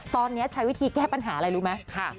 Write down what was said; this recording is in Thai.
ตอนนี้ใช้วิธีแก้ปัญหาอะไรรู้ไหม